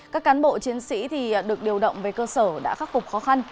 các cán bộ chiến sĩ được điều động về cơ sở đã khắc phục khó khăn